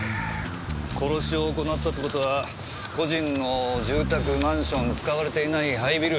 殺しを行ったって事は個人の住宅マンション使われていない廃ビル。